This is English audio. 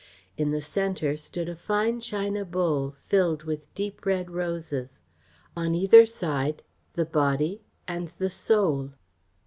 In the centre stood a fine china bowl, filled with deep red roses; on either side the Body and the Soul.